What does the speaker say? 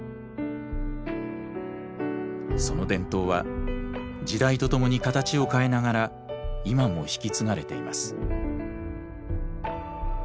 その伝統は時代とともに形を変えながら今も引き継がれています。